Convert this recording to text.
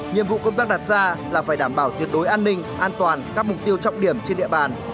nhiệm vụ công tác đặt ra là phải đảm bảo tuyệt đối an ninh an toàn các mục tiêu trọng điểm trên địa bàn